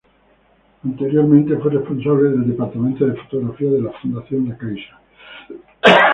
Anteriormente fue responsable del departamento de fotografía de la Fundación La Caixa.